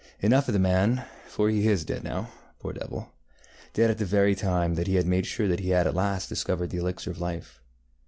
Enough of the man, for he is dead now, poor devil, dead at the very time that he had made sure that he had at last discovered the elixir of life.